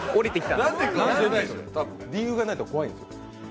理由がないと怖いんです。